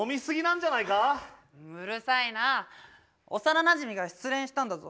うるさいな幼なじみが失恋したんだぞ。